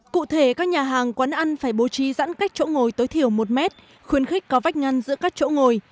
cụ thể các nhà hàng quán ăn phải bố trí giãn cách chỗ ngồi tối thiểu một mét khuyến khích có vách ngăn giữa các chỗ ngồi